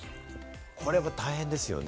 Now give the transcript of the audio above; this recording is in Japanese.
これは大変ですよね。